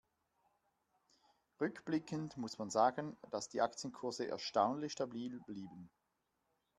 Rückblickend muss man sagen, dass die Aktienkurse erstaunlich stabil blieben.